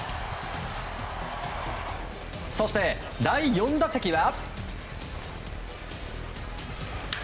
そして第４打席は。